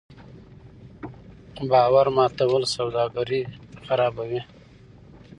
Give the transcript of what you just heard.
باور ماتول سوداګري خرابوي.